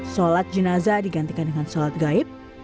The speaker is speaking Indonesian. solat jenazah digantikan dengan solat gaib